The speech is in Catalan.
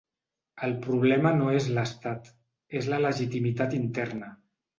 El problema no és l’estat, és la legitimitat interna.